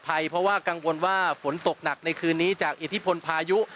เพราะว่ากังวลว่าฝนตกหนักในคืนนี้จากอิทธิพลพายุ